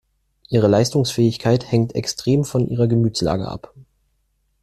Ihre Leistungsfähigkeit hängt extrem von ihrer Gemütslage ab.